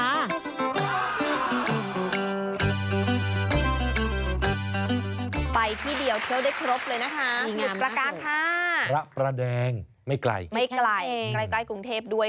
ไปที่เดียวเที่ยวได้ครบเลยนะคะสมุทรประการค่ะพระประแดงไม่ไกลไม่ไกลใกล้กรุงเทพด้วย